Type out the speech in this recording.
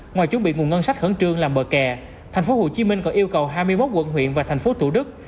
ngoài chuẩn bị nguồn ngân sách khẩn trương làm bờ kè tp hcm còn yêu cầu hai mươi một quận huyện và tp tủ đức